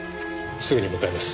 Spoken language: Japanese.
すぐに向かいます。